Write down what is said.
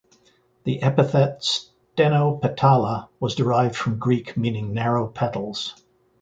The epithet ""stenopetala"" was derived from Greek meaning narrow petals.